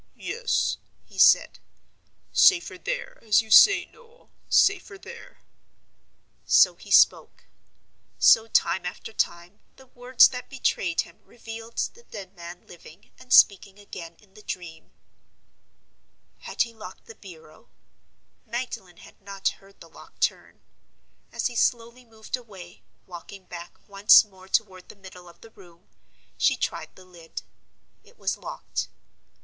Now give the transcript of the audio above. "Yes," he said. "Safer there, as you say, Noel—safer there." So he spoke. So, time after time, the words that betrayed him revealed the dead man living and speaking again in the dream. Had he locked the bureau? Magdalen had not heard the lock turn. As he slowly moved away, walking back once more toward the middle of the room, she tried the lid. It was locked.